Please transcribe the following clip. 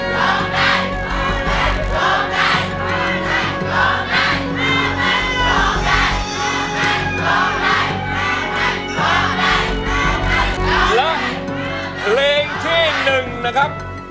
สำหรับเพลงที่๒นะครับ